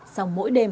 sau mỗi đêm